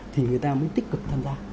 thì người ta mới tích cực tham gia